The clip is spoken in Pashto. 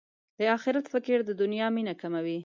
د اخرت فکر د دنیا مینه کموي.